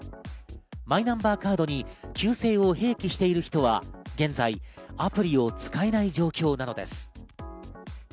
マイナンバーカードに旧姓を併記している人は現在、アプリを使えない状況なのです。